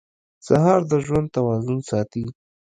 سهار د ژوند توازن ساتي.